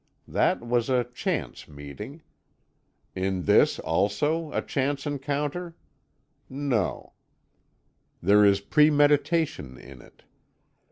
That was a chance meeting. Is this, also, a chance encounter? No; there is premeditation in it.